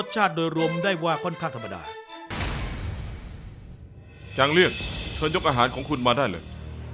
เชิญยกอาหารของคุณมาได้เลย